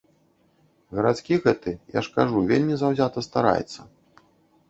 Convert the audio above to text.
Гарадскі гэты, я ж кажу, вельмі заўзята стараецца.